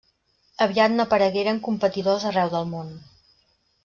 Aviat n'aparegueren competidors arreu del món.